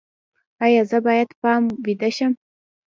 ایا زه باید په بام ویده شم؟